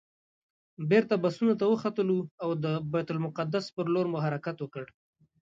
بېرته بسونو ته وختلو او د بیت المقدس پر لور مو حرکت وکړ.